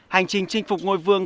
hành trình chinh phục ngôi vương